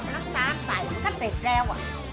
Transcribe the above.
น้ำน้ำใส่แล้วก็เสร็จแล้ว